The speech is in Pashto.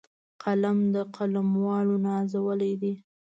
قلم د قلموالو نازولی دی